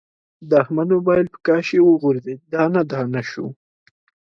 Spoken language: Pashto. د احمد مبایل په کاشي و غورځید، دانه دانه شو.